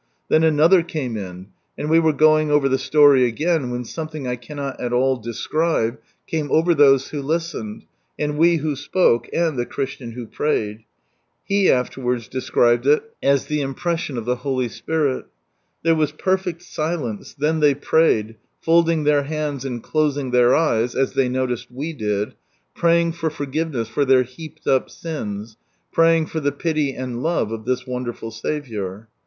Then another came in, and we were going over the slory again wheti something I cannot at all describe came over those who listened, and we who spoke, and the Christian who prayed. He afterwards described it as the "im Unlo Hiin be Glory 93 ptession of the Holy Spirit." There was perfect silence, tlien ihey prayed, folding their hands and closing their eyes, as they noticed we did, praying for forgiveness for their " heaped up sins," praying for the pity and love of this wonderful Saviour.